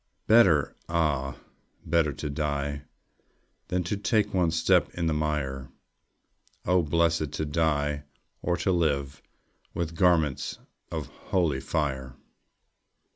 Better, ah, better to die Than to take one step in the mire! Oh, blessed to die or to live, With garments of holy fire!